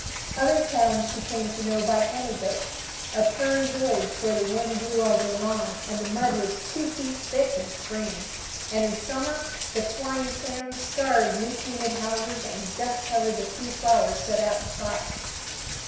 Other towns she came to know by anecdote: a prairie village where the wind blew all day long, and the mud was two feet thick in spring, and in summer the flying sand scarred new painted houses and dust covered the few flowers set out in pots.